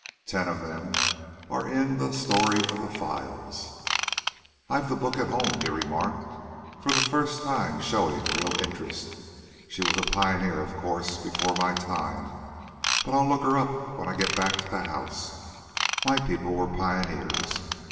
Ten of them are in 'The Story of the Files.'" "I've the book at home," he remarked, for the first time showing real interest. "She was a pioneer, of course before my time. I'll look her up when I get back to the house. My people were pioneers.